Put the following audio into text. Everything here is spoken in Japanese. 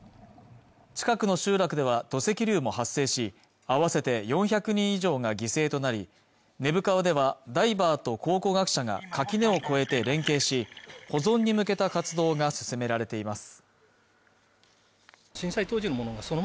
近くの集落では土石流も発生し合わせて４００人以上が犠牲となり根府川ではダイバーと考古学者が垣根を越えて連携し保存に向けた活動が進められています